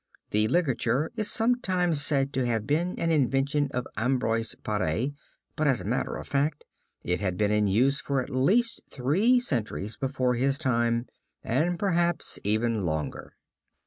The ligature is sometimes said to have been an invention of Ambroise Paré, but, as a matter of fact, it had been in use for at least three centuries before his time, and perhaps even longer.